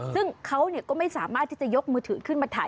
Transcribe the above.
ซึ่งเขาก็ไม่สามารถที่จะยกมือถือขึ้นมาถ่าย